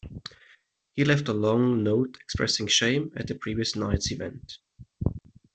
He left a long note expressing shame at the previous night's events.